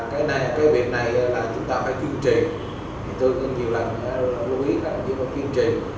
cái biện này là chúng ta phải kiên trì tôi cũng nhiều lần lưu ý các bạn kiên trì